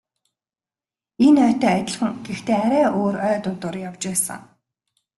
Энэ ойтой адилхан гэхдээ арай өөр ой дундуур явж байсан.